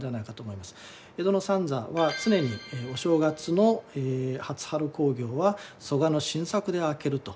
江戸の三座は常にお正月の初春興行は曽我の新作で明けると。